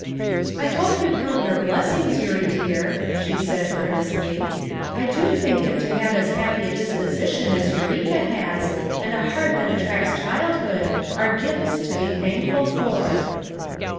"I hope you count your blessings, Eurie dear," she said earnestly. "I do think that to have as happy a disposition as Eureka has, and a heart that attracts childhood are gifts to be thankful for."